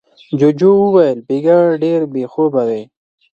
جوجو وويل: بېګا ډېر بې خوبه وې.